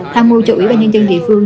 tham mưu cho ủy ban nhân dân địa phương